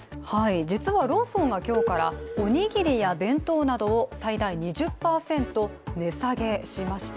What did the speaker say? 実はローソンが今日からおにぎりや弁当などを最大２０％値下げしました。